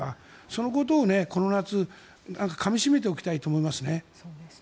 そのことをこの夏かみしめておきたいと思いますね。